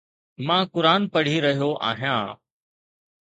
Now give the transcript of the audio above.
مان قرآن پڙهي رهيو آهيان.